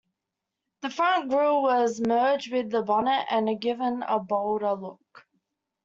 The front grille was merged with the bonnet and given a bolder look.